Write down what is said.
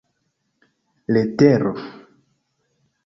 letero